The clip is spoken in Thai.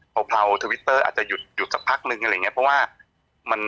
เลาทวิตเตอร์อาจจะหยุดสักพักนึงอะไรอย่างเงี้ยเพราะว่ามัน